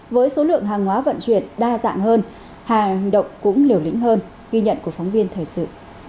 với số lượng hàng hóa vận chuyển đa dạng hơn hàng động cũng liều lĩnh hơn ghi nhận của phóng viên thời sự